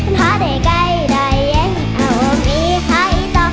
ถ้าได้ใกล้ใดยังไม่เอาว่ามีใครต่อ